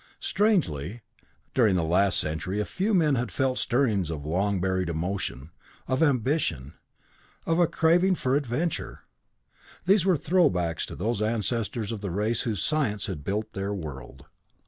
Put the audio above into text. Strangely, during the last century a few men had felt the stirrings of long buried emotion, of ambition, of a craving for adventure. These were throwbacks to those ancestors of the race whose science had built their world.